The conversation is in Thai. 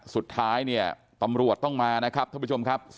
สุดท้ายเนี่ยตำรวจต้องมานะครับท่านผู้ชมครับ